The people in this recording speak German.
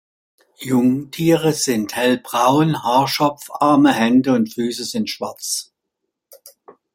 Jungtiere sind hellbraun, Haarschopf, Arme, Hände und Füße sind schwarz.